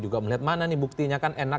juga melihat mana nih buktinya kan enak